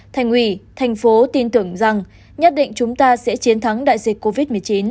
thành ủy thành phố tin tưởng rằng nhất định chúng ta sẽ chiến thắng đại dịch covid một mươi chín